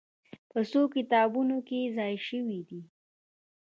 په څو کتابونو کې ځای شوې دي.